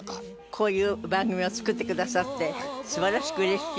こういう番組を作ってくださって素晴らしく嬉しい